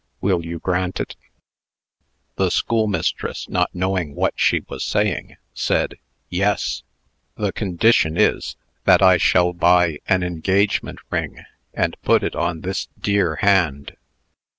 Will you grant it?" The schoolmistress, not knowing what she was saying, said "Yes." "The condition is, that I shall buy an engagement ring, and put it on this dear hand."